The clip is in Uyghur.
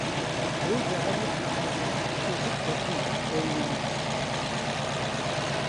بۇ زەھەرلىك مەخلۇقنى، تېپىپ بېقىڭ ئويلىنىپ.